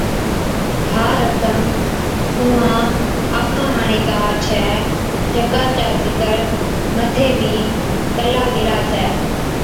(ھا رسم اُونھان آنکا ھاڙِي ڪار ڇَي جڪا چا ذڪر مٿي بِي ڪلا گيلا ڇَي)